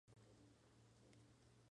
Fue apodado "El león de Ponce".